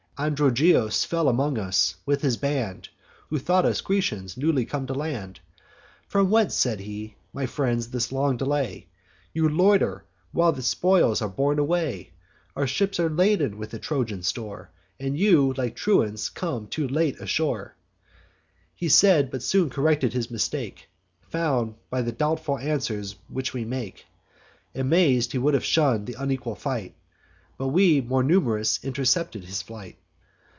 Androgeos fell among us, with his band, Who thought us Grecians newly come to land. 'From whence,' said he, 'my friends, this long delay? You loiter, while the spoils are borne away: Our ships are laden with the Trojan store; And you, like truants, come too late ashore.' He said, but soon corrected his mistake, Found, by the doubtful answers which we make: Amaz'd, he would have shunn'd th' unequal fight; But we, more num'rous, intercept his flight.